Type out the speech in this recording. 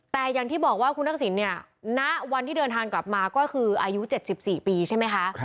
แต่อย่างที่บอกว่าคุณทักษิณเนี่ยณวันที่เดินทางกลับมาก็คืออายุ๗๔ปีใช่ไหมคะ